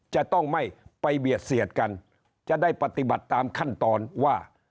จะต้องไม่ไปเบียดเสียดกันจะได้ปฏิบัติตามขั้นตอนว่า